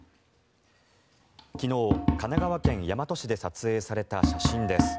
昨日、神奈川県大和市で撮影された写真です。